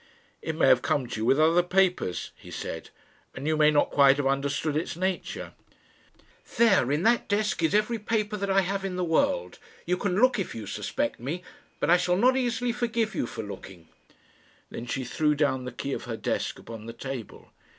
"It may have come to you with other papers," he said, "and you may not quite have understood its nature." "There, in that desk, is every paper that I have in the world. You can look if you suspect me. But I shall not easily forgive you for looking." Then she threw down the key of her desk upon the table.